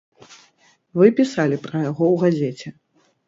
Вы пісалі пра яго ў газеце.